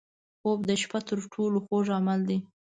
خوب د شپه تر ټولو خوږ عمل دی